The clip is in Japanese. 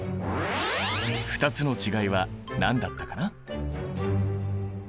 ２つの違いは何だったかな？